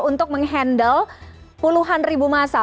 untuk menghandle puluhan ribu masa